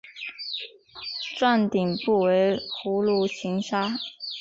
幢顶部为葫芦形刹。